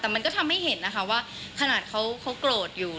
แต่มันก็ทำให้เห็นนะคะว่าขนาดเขาโกรธอยู่